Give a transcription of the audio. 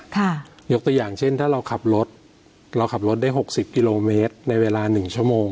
ยกตัวอย่างเช่นถ้าเราขับรถเราขับรถได้หกสิบกิโลเมตรในเวลาหนึ่งชั่วโมง